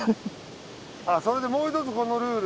それでもう１つこのルール。